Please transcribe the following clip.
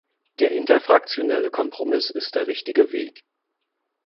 Der interfraktionelle Kompromiss ist der richtige Weg.